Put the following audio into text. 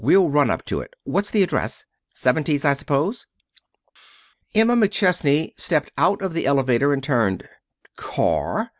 We'll run up in it. What's the address? Seventies, I suppose?" Emma McChesney stepped out of the elevator and turned. "Car!